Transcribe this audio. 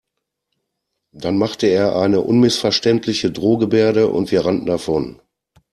Dann machte er eine unmissverständliche Drohgebärde und wir rannten davon.